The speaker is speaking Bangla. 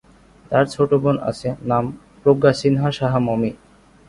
তার ছোট বোন আছে, নাম- প্রজ্ঞা সিনহা সাহা মমি।